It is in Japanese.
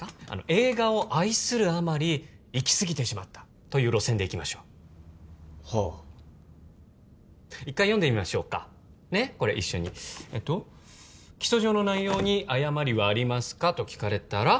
映画を愛するあまり行き過ぎてしまったという路線でいきましょうはあ一回読んでみましょうかねっこれ一緒にえっと「起訴状の内容に誤りはありますか？」と聞かれたら